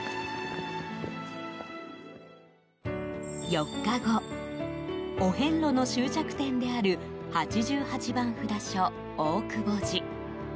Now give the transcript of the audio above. ４日後、お遍路の終着点である８８番札所・大窪寺。